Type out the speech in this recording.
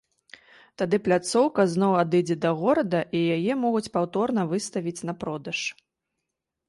Тады пляцоўка зноў адыдзе да горада, і яе могуць паўторна выставіць на продаж.